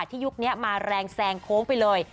ยุคนี้มาแรงแซงโค้งไปเลย